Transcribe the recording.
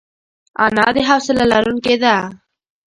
انا د حوصله لرونکې ده